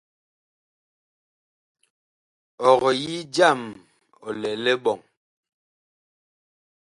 Ɔg yi jam ɔ lɛ liɓɔŋ.